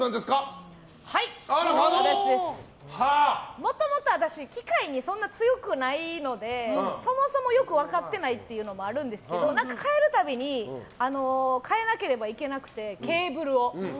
もともと私機械にそんなに強くないのでそもそもよく分かってないというのもあるんですけど変えるたびに変えなければいけなくてケーブルを。